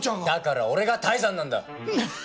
だから俺が泰山なんだ！